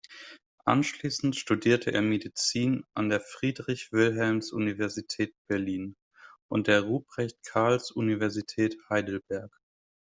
Anschließend studierte er Medizin an der "Friedrich-Wilhelms-Universität Berlin" und der "Ruprecht-Karls-Universität Heidelberg".